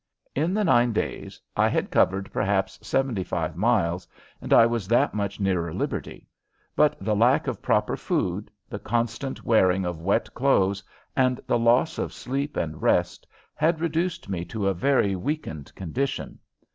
In the nine days I had covered perhaps seventy five miles and I was that much nearer liberty, but the lack of proper food, the constant wearing of wet clothes, and the loss of sleep and rest had reduced me to a very much weakened condition.